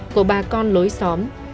của bà con lối xóm